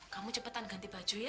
kamu cepetan ganti baju ya